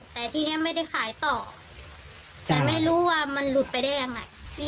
แต่ทีนี้ไม่ได้ขายต่อแต่ไม่รู้ว่ามันหลุดไปได้ยังไง